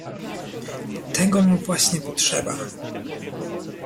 "tego mu właśnie potrzeba!"